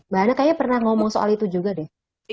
mbak hana kayaknya pernah ngomong soal itu juga deh